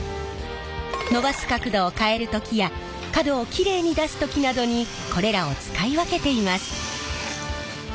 伸ばす角度を変える時や角をきれいに出す時などにこれらを使い分けています。